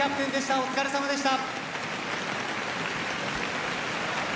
お疲れさまでした。